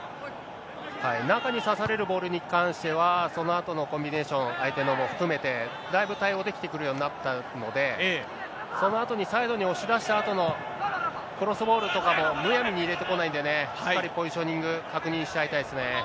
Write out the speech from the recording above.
中に刺されるボールに関しては、そのあとのコンビネーション、相手のも含めて、だいぶ対応できてくるようになったので、そのあとにサイドに押し出したあとのクロスボールとかも、むやみに入れてこないで、しっかりポジショニング、確認し合いたいですね。